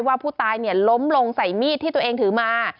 ว่าผู้ตายล้มลงใส่มีดที่ตัวเองถือมา